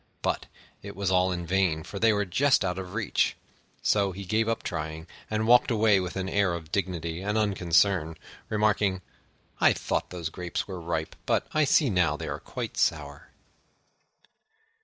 But it was all in vain, for they were just out of reach: so he gave up trying, and walked away with an air of dignity and unconcern, remarking, "I thought those Grapes were ripe, but I see now they are quite sour."